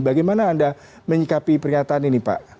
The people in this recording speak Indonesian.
bagaimana anda menyikapi pernyataan ini pak